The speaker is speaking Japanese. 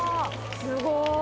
すごい！